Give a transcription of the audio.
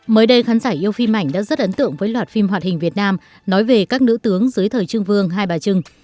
mới đây khán giả yêu phim ảnh đã rất ấn tượng với loạt phim hoạt hình việt nam nói về các nữ tướng dưới thời trương vương hai bà trưng